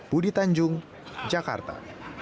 budi tanjung jakarta